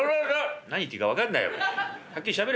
「何言ってるか分かんないよおめえ。